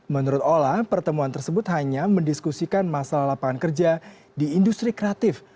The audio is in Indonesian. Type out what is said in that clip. menurut ola pertemuan tersebut hanya mendiskusikan masalah lapangan kerja di industri kreatif